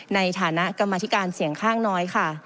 ในฐานะกรรมธิการเสียงข้างน้อยค่ะ